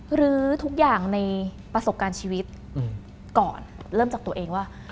หรือทุกอย่างในประสบการณ์ชีวิตก่อนเริ่มจากตัวเองว่า